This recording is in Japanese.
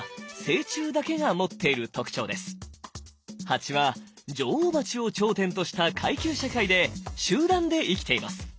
ハチは女王バチを頂点とした階級社会で集団で生きています。